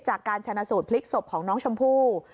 จากการชนะสูตรพลิกศพของน้องชมพู่